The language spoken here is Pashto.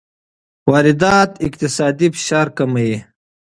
واردات اقتصادي فشار کموي.